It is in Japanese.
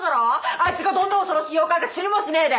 あいつがどんな恐ろしい妖怪か知りもしねえで！